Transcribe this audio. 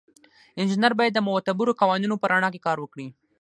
انجینر باید د معتبرو قوانینو په رڼا کې کار وکړي.